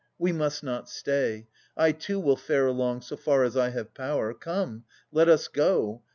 We must not stay. I too will fare along, So far as I have power. Come, let us go.